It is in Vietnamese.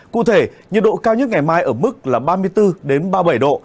cụ thể nhiệt độ cao nhất ngày mai ở mức là ba mươi bốn ba mươi bảy độ